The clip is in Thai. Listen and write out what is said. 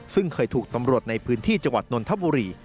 ซึ่งเคยถูกตำรวจในพื้นที่จังหวัดนนทบุรี